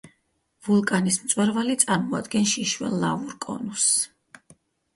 ვულკანის მწვერვალი წარმოადგენს შიშველ ლავურ კონუსს.